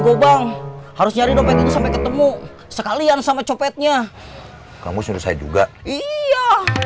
gopal harus nyari dompetnya sampai ketemu sekalian sama copetnya kamu sudah juga iya